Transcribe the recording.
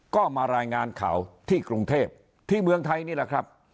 ก็มารายงานข่าวที่กรุงเทพที่เมืองไทยนี่แหละครับ